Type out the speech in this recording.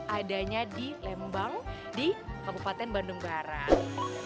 adanya di lembang di kabupaten bandung barat